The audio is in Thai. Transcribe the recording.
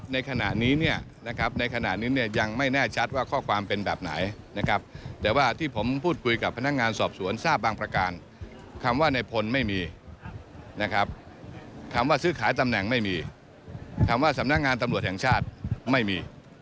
ในสำนักงานตำรวจแห่งชาติ